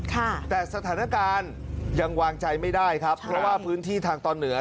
แต่สถานการณ์ยังวางใจไม่ได้ครับเพราะว่าพื้นที่ทางตอนเหนือ